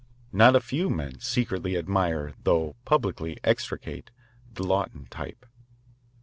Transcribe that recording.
Not a few men secretly admire though publicly execrate the Lawton type.